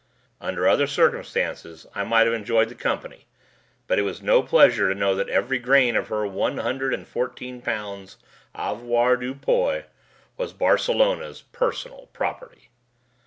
Under other circumstances I might have enjoyed the company, but it was no pleasure to know that every grain of her one hundred and fourteen pounds avoirdupois was Barcelona's Personal Property.